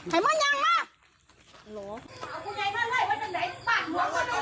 ให้ม่อนยังไหลหยุดหยุดให้ม่อนยังไหล